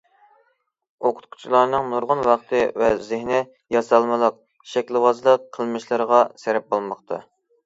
ئوقۇتقۇچىلارنىڭ نۇرغۇن ۋاقتى ۋە زېھنى ياسالمىلىق، شەكىلۋازلىق قىلمىشلىرىغا سەرپ بولماقتا.